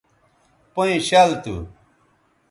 پئیں شَل تھو